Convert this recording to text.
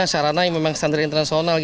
sarana yang memang standar internasional